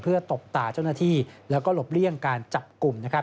เพื่อตบตาเจ้าหน้าที่และหลบเลี่ยงการจับกลุ่ม